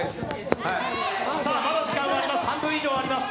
まだ時間は３分以上あります